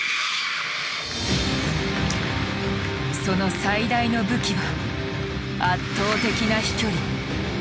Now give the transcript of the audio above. その最大の武器は圧倒的な飛距離。